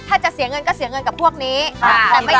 ถ้าจะเสียเงินก็เสียเงินกับพวกนี้